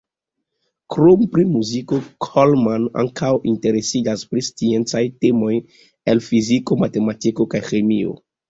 Krom pri muziko Coleman ankaŭ interesiĝas pri sciencaj temoj el fiziko, matematiko kaj ĥemio.